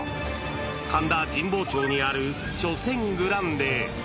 神田神保町にある書泉グランデ。